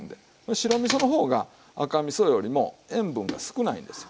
白みその方が赤みそよりも塩分が少ないんですよ。